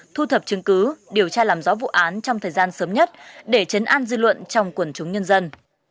thu thập chứng cứ điều tra làm rõ vụ án trong thời gian sớm nhất để chấn an dư luận trong quần chúng nhân dân